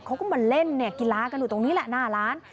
เขาก็มาเล่นกีฬากันอยู่ตรงนี้แหละหน้าร้าน